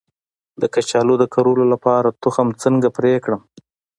د کچالو د کرلو لپاره تخم څنګه پرې کړم؟